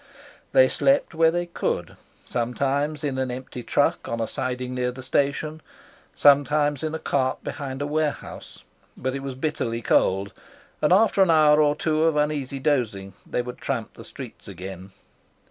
They slept where they could, sometimes in an empty truck on a siding near the station, sometimes in a cart behind a warehouse; but it was bitterly cold, and after an hour or two of uneasy dozing they would tramp the streets again.